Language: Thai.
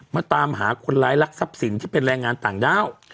มาตามหาคนร้ายรักทรัพย์สินที่เป็นแรงงานต่างด้าว